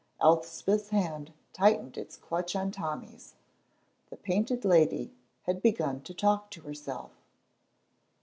Elspeth's hand tightened its clutch on Tommy's; the Painted Lady had begun to talk to herself.